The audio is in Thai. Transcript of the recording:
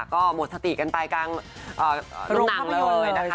ก็หมดสติกันไปกลางรุ่นหนังเลยนะคะ